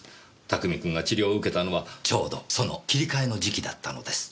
拓海君が治療を受けたのはちょうどその切り替えの時期だったのです。